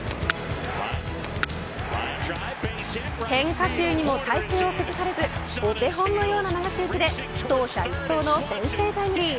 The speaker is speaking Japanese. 変化球にも体勢を崩されずお手本のような流し打ちで走者一掃の先制タイムリー。